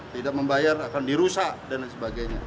tidak membayar akan dirusak dan sebagainya